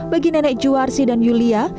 bagi nenek cuar si dan yulia